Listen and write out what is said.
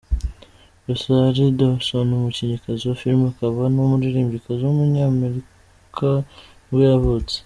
Rosario Dawson, umukinnyikazi wa filime akaba n’umuririmbyikazi w’umunyamerikanibwo yavutse.